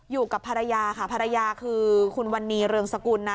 อยู่กับภรรยาค่ะภรรยาคือคุณวันนี้เรืองสกุลนะ